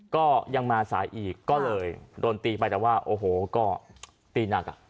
ก็ยังมาสายอีกก็เลยโดนตีไปแต่ว่าโอ้โหก็ตีหนักอ่ะ